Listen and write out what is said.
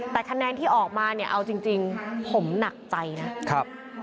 แต่คะแนนที่ออกมาเนี่ยเอาจริงผมหนักใจนะครับ